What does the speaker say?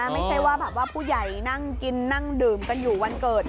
ไม่ใช่ว่าแบบว่าผู้ใหญ่นั่งกินนั่งดื่มกันอยู่วันเกิด